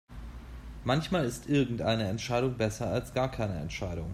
Manchmal ist irgendeine Entscheidung besser als gar keine Entscheidung.